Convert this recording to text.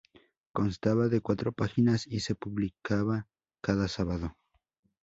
Constaba de cuatro páginas y se publicaba cada sábado.